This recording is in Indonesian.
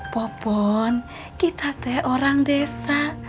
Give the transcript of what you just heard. popon kita orang desa